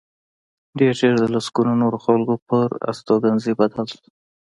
ډېر ژر د لسګونو زرو خلکو پر استوګنځي بدل شو